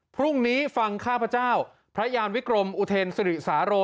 พรุ่งนี้ฟังข้าพเจ้าพระยานวิกรมอุเทรนสิริสาโร